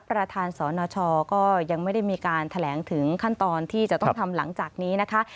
ประธานสนชก็ยังไม่ได้มีการแถลงถึงขั้นตอนที่จะต้องทำหลังจากนี้นะคะ